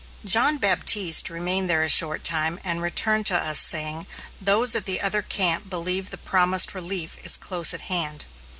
John Baptiste remained there a short time and returned to us, saying, "Those at the other camp believe the promised relief is close at hand!"